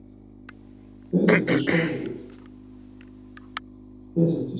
He was succeeded by his only son, Saint Lucius.